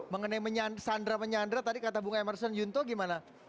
mengenai sandra menyandra tadi kata bung emerson yunto gimana